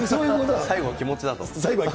最後は気持ちだと。